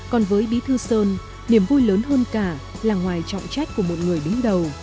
còn với bí thư sơn niềm vui lớn hơn cả là ngoài trọng trách của một người đứng đầu